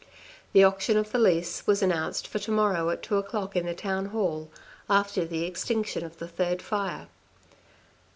The auction of the lease was announced for to morrow at two o'clock in the Town Hall after the extinction of the third fire.